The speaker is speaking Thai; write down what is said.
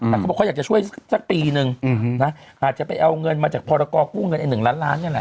แต่เขาบอกเขาอยากจะช่วยสักปีนึงนะอาจจะไปเอาเงินมาจากพรกรกู้เงินไอ้๑ล้านล้านนี่แหละ